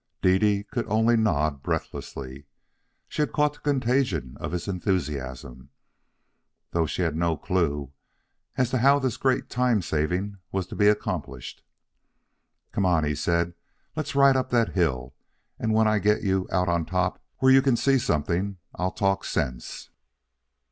Dede could only nod breathlessly. She had caught the contagion of his enthusiasm, though she had no clew as to how this great time saving was to be accomplished. "Come on," he said. "Let's ride up that hill, and when I get you out on top where you can see something, I'll talk sense."